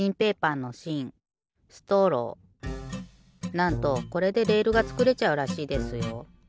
なんとこれでレールがつくれちゃうらしいですよ。